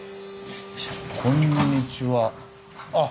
こんにちはあっ。